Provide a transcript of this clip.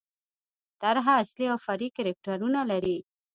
طرحه اصلي او فرعي کرکټرونه لري.